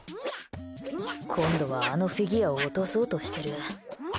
今度はあのフィギュアを落とそうとしている。